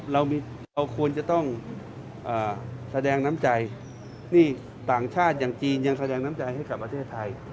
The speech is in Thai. เราควรจะต้องแสดงน้ำใจนี่ต่างชาติอย่างจีนยังแสดงน้ำใจให้กับประเทศไทย